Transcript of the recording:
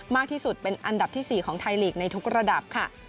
มากที่สุดเป็นอันดับที่๔ของไทยลีกในทุกระดับค่ะ